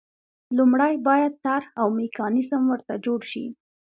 لومړی باید طرح او میکانیزم ورته جوړ شي.